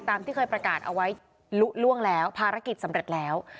ที่เคยประกาศเอาไว้ลุล่วงแล้วภารกิจสำเร็จแล้ว